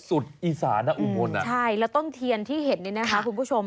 อีสานนะอุบลอ่ะใช่แล้วต้นเทียนที่เห็นนี่นะคะคุณผู้ชม